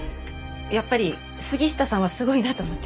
やっぱり杉下さんはすごいなと思って。